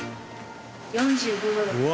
４５度。